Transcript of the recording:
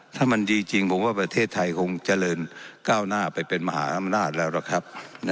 ถ้ามันดีจริงผมว่าประเทศไทยคงเจริญก้าวหน้าไปเป็นมหาอำนาจแล้วล่ะครับ